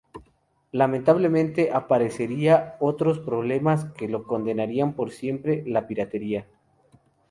Lamentablemente aparecería otros problemas que lo condenaría por siempre: la piratería.